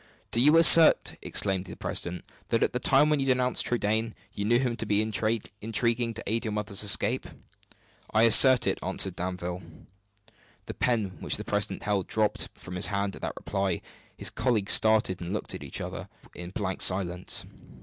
"Do you assert," exclaimed the president, "that at the time when you denounced Trudaine, you knew him to be intriguing to aid your mother's escape?" "I assert it," answered Danville. The pen which the president held dropped from his hand at that reply; his colleagues started, and looked at each other in blank silence.